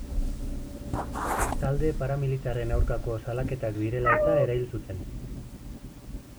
Talde paramilitarren aurkako salaketak direla-eta erail zuten.